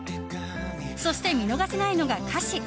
そして見逃せないのが歌詞。